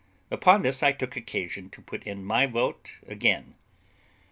Upon this I took occasion to put in my vote again.